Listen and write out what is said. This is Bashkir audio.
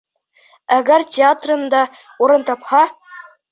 Әгәр театрында урын тапһа...